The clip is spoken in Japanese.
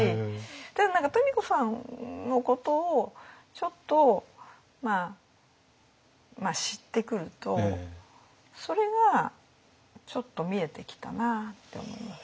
ただ何か富子さんのことをちょっと知ってくるとそれがちょっと見えてきたなって思います。